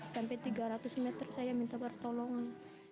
sampai tiga ratus meter saya minta pertolongan